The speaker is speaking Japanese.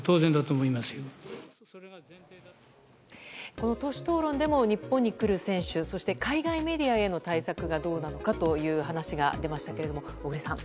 この党首討論でも日本に来る選手そして海外メディアへの対策がどうなのかという話が出ましたけれども、小栗さん。